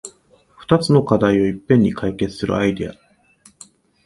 ふたつの課題をいっぺんに解決するアイデア